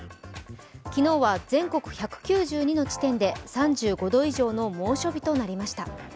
昨日は全国１９２の地点で３５度以上の猛暑日となりました。